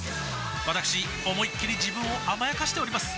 わたくし思いっきり自分を甘やかしております